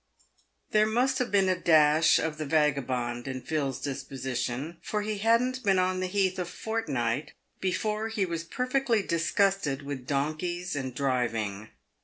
There must have been a dash of the vagabond in Phil's disposition, for he hadn't been on the heath a fortnight before he was perfectly disgusted with donkeys and driving.